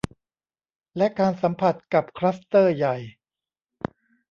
และการสัมผัสกับคลัสเตอร์ใหญ่